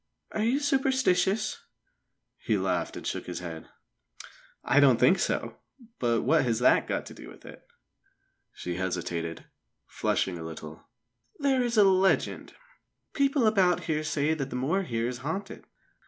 "Are you superstitious?" He laughed and shook his head. "I don't think so. But what has that got to do with it?" She hesitated, flushing a little. "There is a legend people about here say that the moor here is haunted.